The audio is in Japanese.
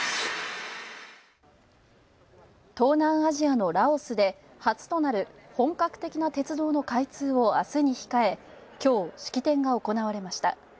東南アジアのラオスで、初となる本格的な鉄道の開通をあすに控え、きょう、式典が行われました。